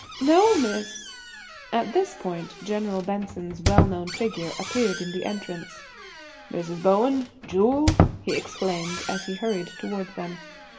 "No. Miss—" At this point General Benson's well known figure appeared in the entrance. "Mrs. Bowen–Jewel–" he exclaimed as he hurried toward them.